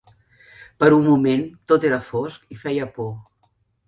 Per un moment, tot era fosc i feia por.